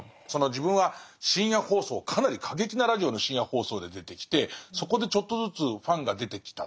自分は深夜放送かなり過激なラジオの深夜放送で出てきてそこでちょっとずつファンが出てきた。